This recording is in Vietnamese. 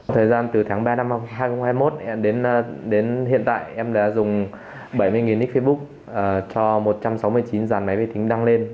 thời gian từ tháng ba năm hai nghìn hai mươi một đến hiện tại em đã dùng bảy mươi nick facebook cho một trăm sáu mươi chín giàn máy vi tính đăng lên